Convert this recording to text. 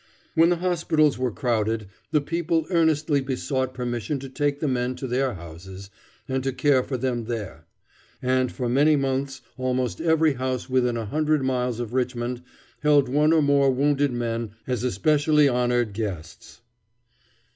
When the hospitals were crowded, the people earnestly besought permission to take the men to their houses and to care for them there, and for many months almost every house within a hundred miles of Richmond held one or more wounded men as especially honored guests.